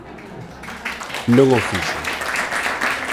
Non o fixo.